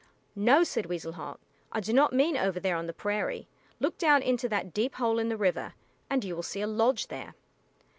"No," said Weasel Heart; "I do not mean over there on the prairie. Look down into that deep hole in the river, and you will see a lodge there."